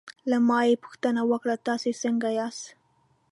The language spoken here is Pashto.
له ما یې پوښتنه وکړل: تاسې څنګه یاست؟